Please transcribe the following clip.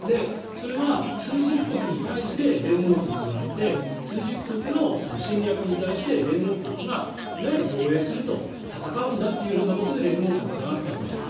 それが数十国に対して連合国があって枢軸国の侵略に対して連合国がいわゆる防衛すると戦うんだということで連合国があったと。